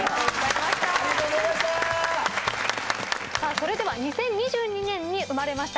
それでは２０２２年に生まれました